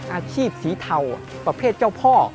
อาชีพสีเทาประเภทเจ้าพ่อ